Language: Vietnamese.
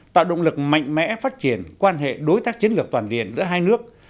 tạo động lực mạnh mẽ phát triển quan hệ đối tác chiến lược toàn diện giữa hai nước